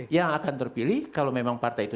yang akan terpilih kalau memang partai itu